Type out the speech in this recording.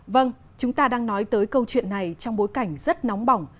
vâng chúng ta đang nói tới câu chuyện này trong bối cảnh rất nóng bỏng